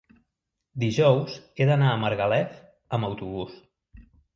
dijous he d'anar a Margalef amb autobús.